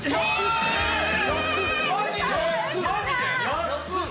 安っ！